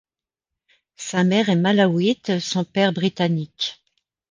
Sa mère est malawite, son père britannique.